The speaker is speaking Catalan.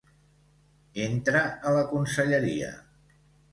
Entra a la conselleria.